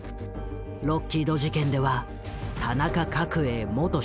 ロッキード事件では田中角栄元首相を逮捕。